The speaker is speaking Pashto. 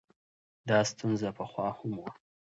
دا ستونزه پخوا هم وه.